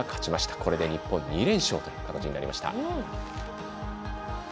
これで日本２連勝という形になりました。